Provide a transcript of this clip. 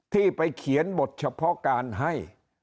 ที่ไปเขียนบทเฉพาะการให้